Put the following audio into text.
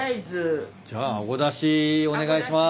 じゃああごだしお願いします。